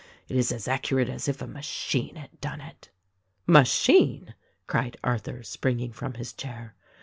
It is as accurate as if a machine had done it.'' "Machine!" cried Arthur, springing from his chair.